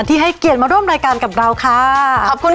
ให้เกียรติมาร่วมรายการกับเราค่ะขอบคุณค่ะ